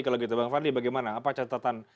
kalau gitu bang fadli bagaimana apa catatan